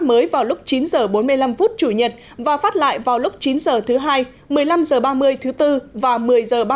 lại vào lúc chín giờ bốn mươi năm phút chủ nhật và phát lại vào lúc chín giờ thứ hai một mươi năm giờ ba mươi thứ tư và một mươi giờ